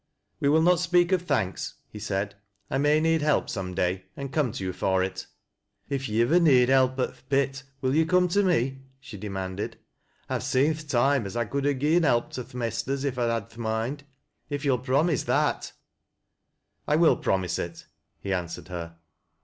" Wc will not speak of thanks," he said. " I may need help some day, and come to you for it." " If yo' ivver need help at th' pit will yo' come to me ?'• she demanded. " I've seen th' toime as I could ha' gi'en help to th' Mesters ef I'd had th' moind. If yo'll pro mise that ——"" I wiu promise it," he answered her.